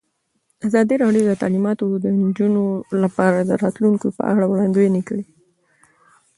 ازادي راډیو د تعلیمات د نجونو لپاره د راتلونکې په اړه وړاندوینې کړې.